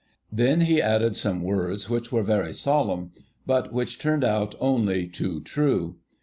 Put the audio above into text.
Then he added some words which were very solemn, but which turned out only too true.